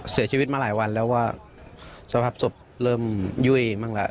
เสียชีวิตมาหลายวันแล้วว่าสภาพศพเริ่มยุ่ยมั่งแล้ว